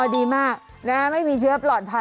ดีมากไม่มีเชื้อปลอดภัย